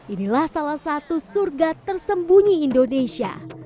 inilah salah satu surga tersembunyi indonesia